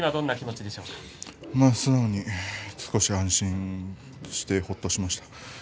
少し安心してほっとしました。